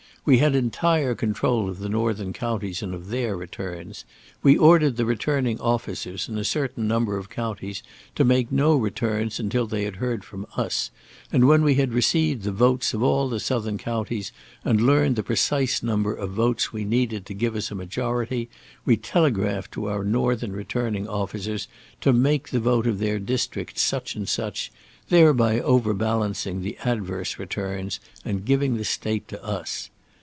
We had entire control of the northern counties and of their returns. We ordered the returning officers in a certain number of counties to make no returns until they heard from us, and when we had received the votes of all the southern counties and learned the precise number of votes we needed to give us a majority, we telegraphed to our northern returning officers to make the vote of their districts such and such, thereby overbalancing the adverse returns and giving the State to us.